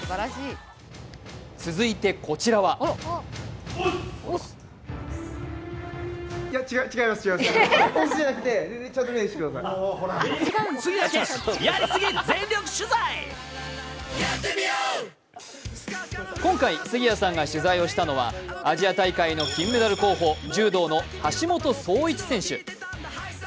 続いてこちらは今回杉谷さんが取材をしたのはアジア大会の金メダル候補、柔道の橋本壮市選手。